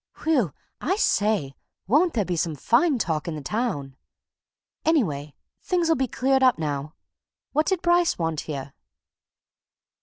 Whew! I say, won't there be some fine talk in the town! Anyway, things'll be cleared up now. What did Bryce want here?"